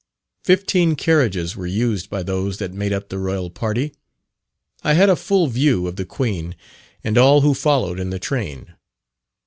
Fifteen carriages were used by those that made up the Royal party. I had a full view of the Queen and all who followed in the train.